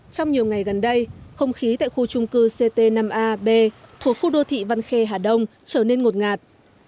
trong nhiều ngày gần đây không khí tại khu trung cư ct năm ab thuộc khu đô thị văn khê hà đông trở nên ngột ngạt